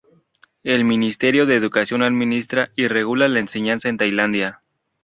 El Ministerio de Educación administra y regula la enseñanza en Tailandia.